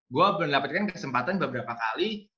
gue mendapatkan kesempatan beberapa kali